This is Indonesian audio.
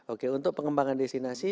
oke untuk pengembangan destinasi